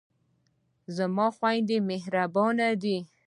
زما خویندې مهربانه دي.